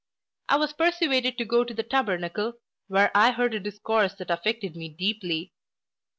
I was persuaded to go to the Tabernacle, where I heard a discourse that affected me deeply.